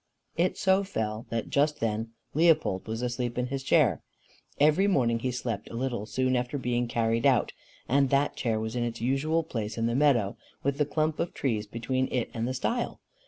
It so fell that just then Leopold was asleep in his chair, every morning he slept a little soon after being carried out, and that chair was in its usual place in the meadow, with the clump of trees between it and the stile.